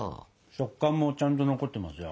食感もちゃんと残ってますよ。